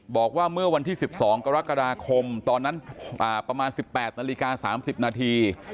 บอกว่าเมื่อวันที่๑๒กรกฎาคมตอนนั้นประมาณ๑๘นาฬิกา๓๐นาที